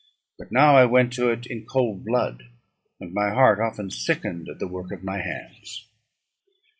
But now I went to it in cold blood, and my heart often sickened at the work of my hands.